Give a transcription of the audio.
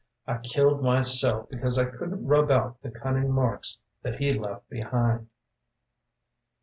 I killed myself because I couldn't rub out The cunning marks that he left behind.